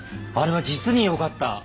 あれは実によかった。